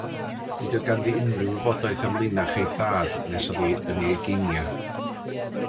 Nid oedd ganddi unrhyw wybodaeth am linach ei thad nes oedd yn ei hugeiniau.